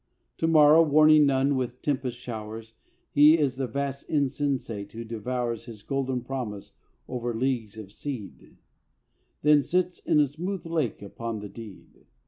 To morrow, warning none with tempest showers, He is the vast Insensate who devours His golden promise over leagues of seed, Then sits in a smooth lake upon the deed.